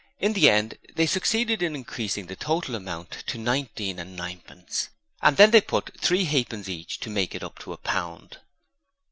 In the end they succeeded in increasing the total amount to nineteen and ninepence, and they then put three halfpence each to make it up to a pound.